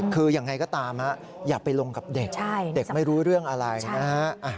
คือยังไงก็ตามอย่าไปลงกับเด็กเด็กไม่รู้เรื่องอะไรนะฮะ